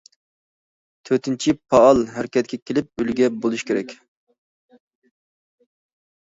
تۆتىنچى، پائال ھەرىكەتكە كېلىپ، ئۈلگە بولۇشى كېرەك.